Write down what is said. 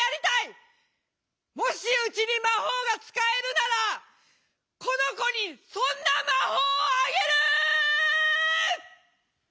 もしうちに魔法が使えるならこの子にそんな魔法をあげる」。